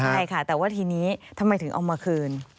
ใช่ค่ะแต่ว่าทีนี้ทำไมถึงเอามาคืน